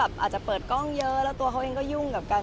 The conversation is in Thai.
อาจจะเปิดกล้องเยอะแล้วตัวเขาเองก็ยุ่งกับกัน